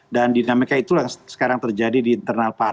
dan dinamika itulah sekarang terjadi di internal kepentingan